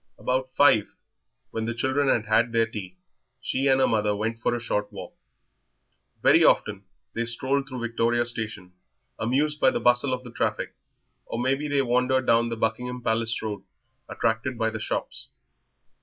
About five, when the children had had their tea, she and her mother went for a short walk. Very often they strolled through Victoria Station, amused by the bustle of the traffic, or maybe they wandered down the Buckingham Palace Road, attracted by the shops.